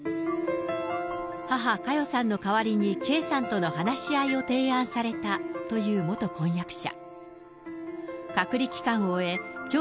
母、佳代さんの代わりに圭さんとの話し合いを提案されたという元婚約者。